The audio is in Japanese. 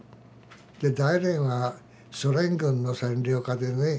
で大連はソ連軍の占領下でね。